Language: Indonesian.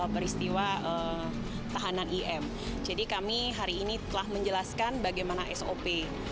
peristiwa tahanan im jadi kami hari ini telah menjelaskan bagaimana sop